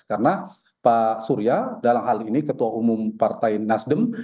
karena pak asurya dalam hal ini ketua umum partai nasdem